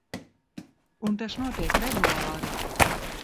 Un tas notiek regulāri!